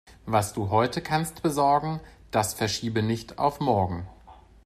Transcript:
Was du heute kannst besorgen, das verschiebe nicht auf morgen.